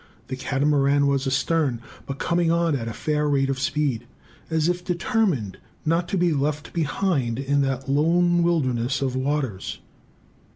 The Catamaran was astern, but coming on at a fair rate of speed, as if determined not to be left behind in that lone wilderness of waters!